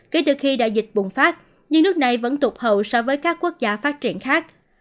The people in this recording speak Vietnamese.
kể từ khi đại dịch bùng phát nhưng nước này vẫn tụt hậu so với các quốc gia phát triển khác